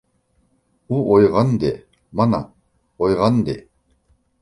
ئۇ ئويغاندى، مانا، ئويغاندى!